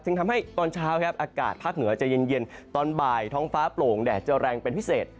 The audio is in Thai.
ซึ่งทำให้ตอนเช้าครับอากาศภาคเหนือจะเย็นตอนบ่ายท้องฟ้าโปร่งแดดจะแรงเป็นพิเศษ